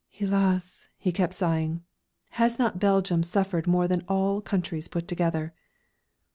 "Hélas!" he kept sighing. "Has not Belgium suffered more than all countries put together?"